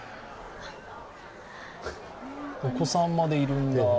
お子さんまでいる。